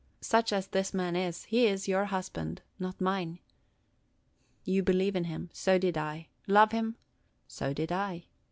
Such as this man is, he is your husband, not mine. You believe in him; so did I, – love him; so did I.